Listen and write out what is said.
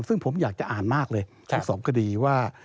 ซึ่งผมอยากจะอ่านมากเลยทั้งสองคดีว่า